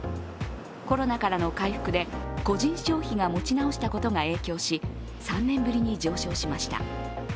コロナからの回復で個人消費が持ち直したことが影響し３年ぶりに上昇しました。